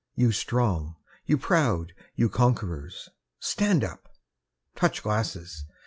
You strong, you proud, you conquerors — stand up! Touch glasses